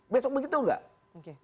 besok begitu enggak oke